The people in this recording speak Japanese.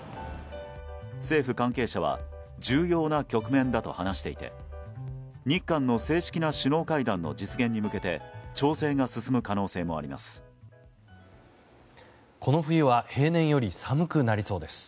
政府関係者は重要な局面だと話していて日韓の正式な首脳会談の実現に向けて調整が進む可能性もあります。